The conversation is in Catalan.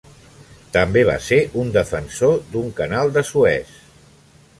També va ser un defensor d'un canal de Suez.